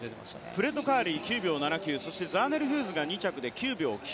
フレッド・カーリー、９秒７９そしてザーネル・ヒューズが２着で、９秒９７。